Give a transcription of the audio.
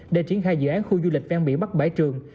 để triển khai dự án khu du lịch ven biển bắc bãi trường